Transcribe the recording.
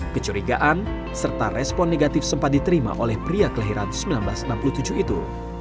kecurigaan serta respon negatif sempat diterima oleh pria kelahiran seribu sembilan ratus enam puluh tujuh itu